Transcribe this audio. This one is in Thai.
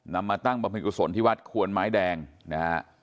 นำมาตั้งประพธิกษลที่วัดขวนไม้แดงนะฮะ